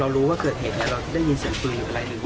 เรารู้ว่าเกิดเหตุเนี้ยเราได้ยินเสียงปืนหรืออะไร